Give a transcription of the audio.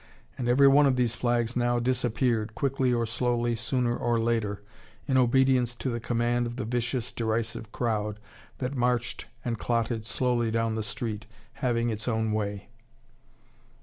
And every one of these flags now disappeared, quickly or slowly, sooner or later, in obedience to the command of the vicious, derisive crowd, that marched and clotted slowly down the street, having its own way.